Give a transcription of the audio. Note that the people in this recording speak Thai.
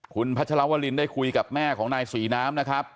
คุณพัชรวรินได้คุยกับแม่ของนายศรีน้ำนะครับ